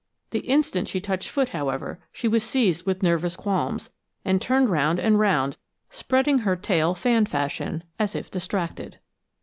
The instant she touched foot, however, she was seized with nervous qualms and turned round and round, spreading her tail fan fashion, as if distracted.